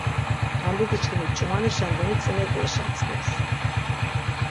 Nandidiçkimik ç̌umanişen doni tzinek̆i eşatzk̆ips.